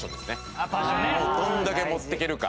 どれだけ持っていけるか？